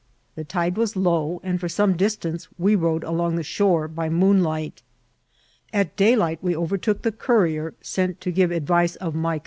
The tide was low, and for some dis tance we rode along the shore by moonlight. At day light we overtook the couri^ sent to give advice of my AMOTHBR PATIBMT.